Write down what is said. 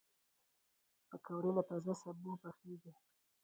پکورې له تازه سبو پخېږي